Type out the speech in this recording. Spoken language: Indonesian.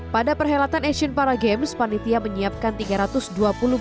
pada perhelatan asian paragames panitia menyiapkan tiga ratus penumpang